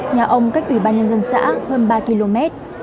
nhà ông cách ủy ban nhân dân xã hơn ba km